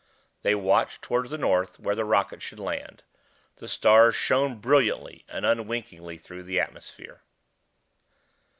They watched toward the north, where the rocket should land. The stars shone brilliantly and unwinkingly through the atmosphere.